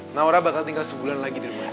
naura bakal tinggal sebulan lagi di rumah